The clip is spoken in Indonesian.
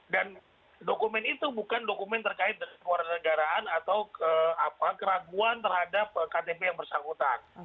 dan dokumen itu bukan dokumen terkait keluarga negaraan atau keraguan terhadap ktp yang bersangkutan